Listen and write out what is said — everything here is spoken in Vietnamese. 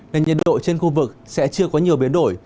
nên nhiệt độ trên khu vực sẽ chưa có nhiều biến đổi